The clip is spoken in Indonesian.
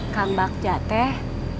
kang bakja teh